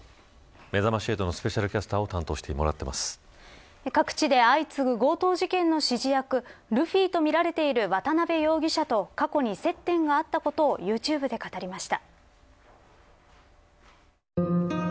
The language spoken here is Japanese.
めざまし８のスペシャルキャスターを各地で相次ぐ強盗事件の指示役ルフィとみられている渡辺容疑者と過去に接点があったことをユーチューブで語りました。